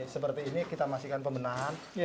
seperti ini kita masihkan pembenahan